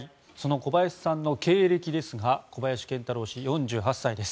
小林さんの経歴ですが小林賢太郎氏、４８歳です。